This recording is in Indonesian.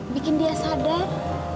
bikin dia sadar